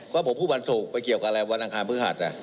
ก็ผมพูดวันศุกร์ไปเกี่ยวกับอะไรวันอังคารพฤหัส